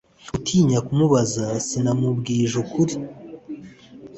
gutinya kumubabaza, sinamubwije ukuri